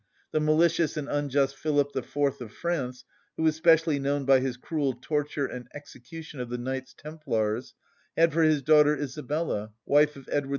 The malicious and unjust Philip IV. of France, who is specially known by his cruel torture and execution of the knights templars, had for his daughter Isabella, wife of Edward II.